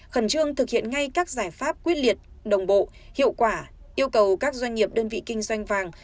khẩn trương thực hiện ngay các giải pháp quyết liệt đồng bộ hiệu quả yêu cầu các doanh nghiệp đơn vị kinh doanh vàng